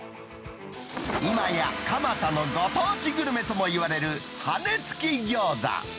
今や蒲田のご当地グルメともいわれる羽根付き餃子。